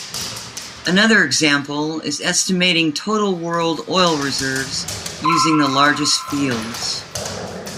Another example is estimating total world oil reserves using the largest fields.